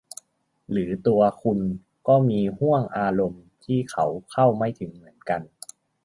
หรือตัวคุณก็มีห้วงอารมณ์ที่เขาเข้าไม่ถึงเหมือนกัน